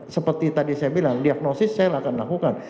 seperti tadi saya bilang diagnosis saya akan lakukan